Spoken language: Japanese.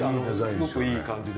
すごくいい感じです。